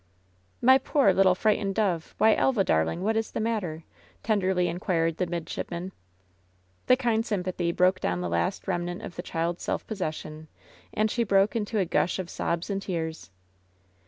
"My poor, little frightened dove. Why, Elva, dar ling, what is the matter ?" tenderly inquired the mid shipman. The kind sympathy broke down the last remnant of the child's self possession, and she broke into a gush of sobs and tears.